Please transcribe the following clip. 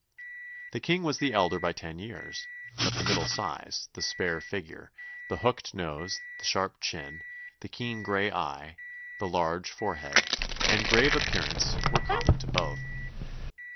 The King was the elder by ten years, but the middle size, the spare figure, the hooked nose, the sharp chin, the keen gray eye, the large forehead, and grave appearance, were common to both.